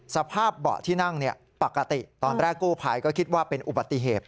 สภาพเบาะที่นั่งปกติตอนแรกกู้ภัยก็คิดว่าเป็นอุบัติเหตุ